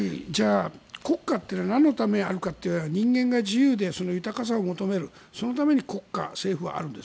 国家というのはなんのためにあるかというと人間が自由で豊かさを求めるそのために国家、政府はあるんです。